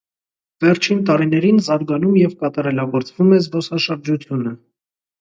Վերջին տարիներին զարգանում և կատարելագործվում է զբոսաշրջությունը։